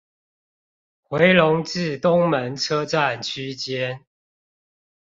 迴龍至東門車站區間